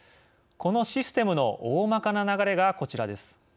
このシステムの大まかな流れがこちらです。